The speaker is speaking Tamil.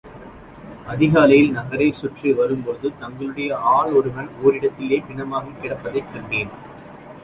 அதிகாலையில் நகரைச் சுற்றி வரும்போது தங்களுடைய ஆள் ஒருவன் ஓரிடத்திலே பிணமாகிக் கிடப்பதைக் கண்டோம்.